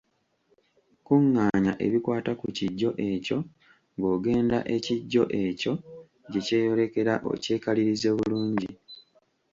Kuŋŋaanya ebikwata ku kijjo ekyo ng’ogenda ekijjo ekyo gye kyeyolekera okyekalirize bulungi.